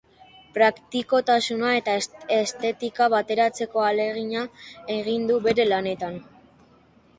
Praktikotasuna eta estetika bateratzeko ahalegina egin du bere lanetan.